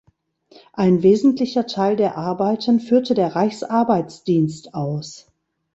Ein wesentlicher Teil der Arbeiten führte der Reichsarbeitsdienst aus.